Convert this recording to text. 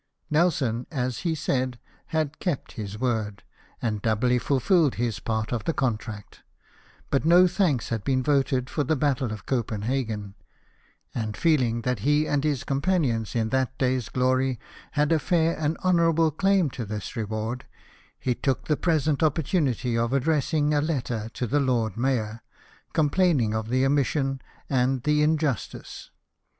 Nelson, as he said, had kept his word — had doubly fulfilled his part of the contract — but no thanks had been voted for the Battle of Copenhagen ; and feeling that he and his companions in that day's 268 LIFE OF NELSON. glory had a fair and honourable claim to this reward, he took the present opportunity of addressing a letter to the Lord Mayor, complaining of the omission and the injustice.